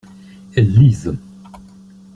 Elles lisent.